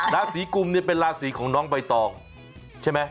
ราศีกุมเนี่ยเป็นราศีของน้องใบตองใช่ไหม